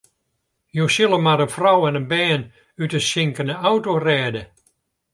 Jo sille mar in frou en bern út in sinkende auto rêde.